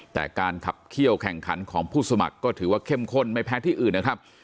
แต่การขับเขี้ยวแข่งขันของผู้สมัครก็ถือว่าเข้มข้นไม่แพ้ที่อื่นนะครับ